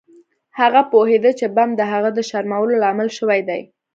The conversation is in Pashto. هغه پوهیده چې بم د هغه د شرمولو لامل شوی دی